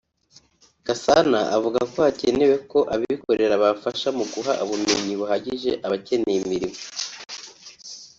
Gasana avuga ko hakenewe ko abikorera bafasha mu guha ubumenyi buhagije abakeneye imirimo